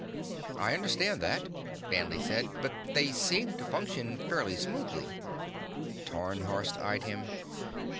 "I understand that," Danley said. "But they seem to function fairly smoothly." Tarnhorst eyed him.